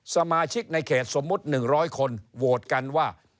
สมาชิกในเขตสมมุติ๑๐๐คนโหวตกันว่า